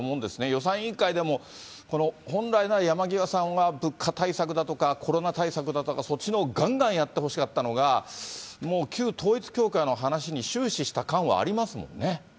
予算委員会でも、この、本来なら山際さんが物価対策だとか、コロナ対策だとかそっちのほうがんがんやってほしかったのが、もう旧統一教会の話に終始した感はありますもんね。